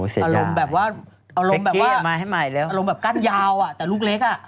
อ๋อเสียงจ้าแบบว่าอารมณ์แบบว่าอารมณ์แบบกั้นยาวแต่ลูกเล็ก